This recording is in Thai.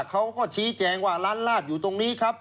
เขาก็ชี้แจงว่าร้านลาบอยู่ตรงนี้ครับ